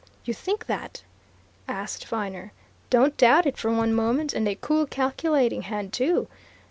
"You think that?" asked Viner. "Don't doubt it for one moment and a cool, calculating hand, too!"